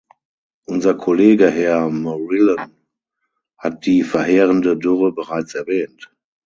Unser Kollege Herr Morillon hat die verheerende Dürre bereits erwähnt.